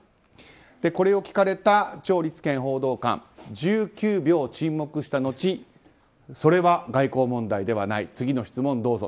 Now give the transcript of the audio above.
これを聞かれたチョウ・リツケン報道官１９秒、沈黙した後それは外交問題ではない次の質問どうぞ。